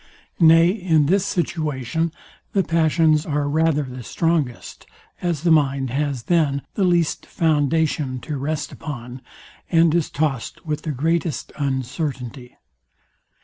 Nay, in this situation the passions are rather the strongest, as the mind has then the least foundation to rest upon, and is tossed with the greatest uncertainty.